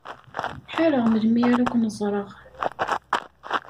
Ḥareɣ melmi ara ken-ẓreɣ.